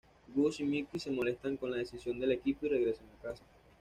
Gus y Mickey se molestan con la decisión del equipo y regresan a casa.